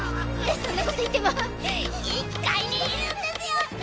そんなこと言っても１階にいるんですよ！